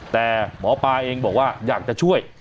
แต่หมอปลาเองบอกว่าอยากจะช่วย